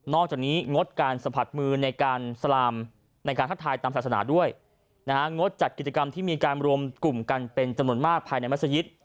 จากนี้งดการสะพัดมือในการสลามในการทักทายตามศาสนาด้วยนะฮะงดจัดกิจกรรมที่มีการรวมกลุ่มกันเป็นจำนวนมากภายในมัศยิต